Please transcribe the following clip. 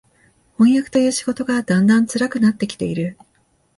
飜訳という仕事がだんだん辛くなって来ている